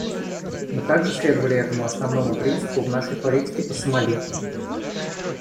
Мы также следовали этому основному принципу в нашей политике по Сомали.